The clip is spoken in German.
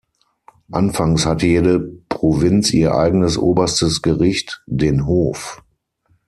Anfangs hatte jede Provinz ihr eigenes oberstes Gericht, den Hof.